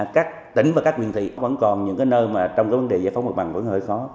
các tỉnh và các nguyện thị vẫn còn những nơi mà trong cái vấn đề giải phóng mặt bằng vẫn hơi khó